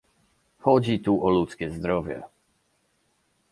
Chodzi tu o ludzkie zdrowie